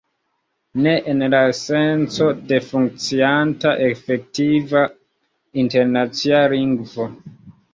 Ne en la senco de funkcianta, efektiva internacia lingvo.